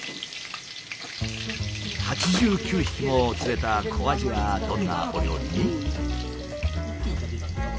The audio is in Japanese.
８９匹も釣れた小アジはどんなお料理に？